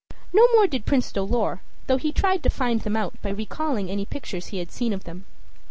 No more did Prince Dolor, though he tried to find them out by recalling any pictures he had seen of them.